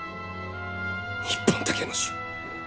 日本だけの種！